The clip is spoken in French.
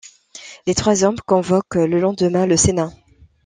Les trois hommes convoquent le lendemain le Sénat.